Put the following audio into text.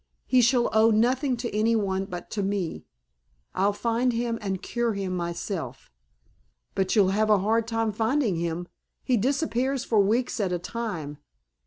He shall owe nothing to any one but to me. I'll find him and cure him myself." "But you'll have a hard time finding him. He disappears for weeks at a time.